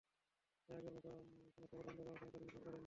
তাই আগের মতো কোনো খবর বন্ধ করার ক্ষমতা কোনো সরকারের নেই।